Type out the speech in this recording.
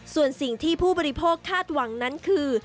ส่วนสิ่งที่ผู้บริโภคาดหวังนั้นคือ